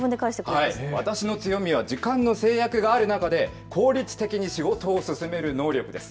私の強みは時間の制約がある中で効率的に仕事を進める能力です。